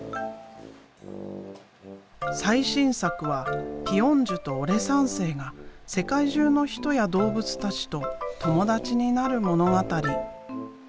最新作はピ・ヨンジュとオレ三世が世界中の人や動物たちと友達になる物語。